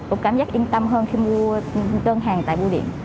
cũng cảm giác yên tâm hơn khi mua đơn hàng tại bu điện